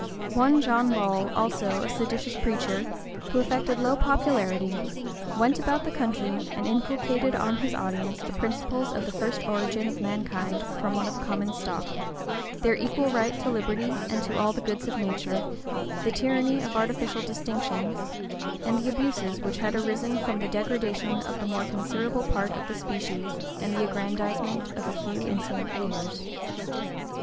One John Ball, also, a seditious preacher, who affected low popularity, went about the country and inculcated on his audience the principles of the first origin of mankind from one common stock, their equal right to liberty and to all the goods of nature, the tyranny of artificial distinctions, and the abuses which had arisen from the degradation of the more considerable part of the species, and the aggrandizement of a few insolent rulers.